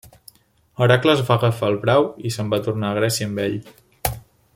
Hèracles va agafar el brau i se'n va tornar a Grècia amb ell.